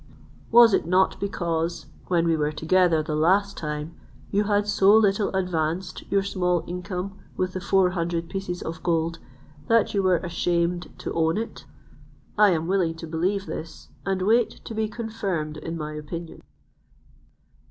Was it not because, when we were together the last time, you had so little advanced your small income with the four hundred pieces of gold, that you were ashamed to own it? I am willing to believe this, and wait to be confirmed in my opinion."